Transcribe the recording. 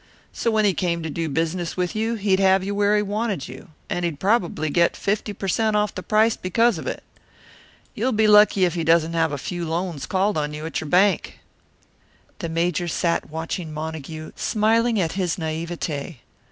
So when he came to do business with you, he'd have you where he wanted you, and he'd probably get fifty per cent off the price because of it. You'll be lucky if he doesn't have a few loans called on you at your bank." The Major sat watching Montague, smiling at his naivete.